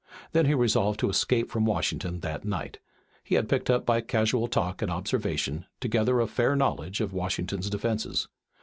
Then he resolved to escape from Washington that night. He had picked up by casual talk and observation together a fair knowledge of Washington's defenses.